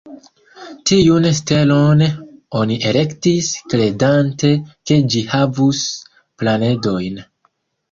Tiun stelon oni elektis, kredante ke ĝi havus planedojn.